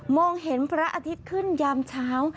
เห็นพระอาทิตย์ขึ้นยามเช้า